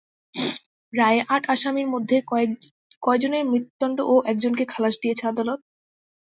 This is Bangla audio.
রায়ে আট আসামির মধ্যে কয়জনের মৃত্যুদণ্ড ও একজনকে খালাস দিয়েছেন আদালত?